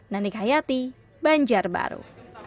nanik hayati banjarbaru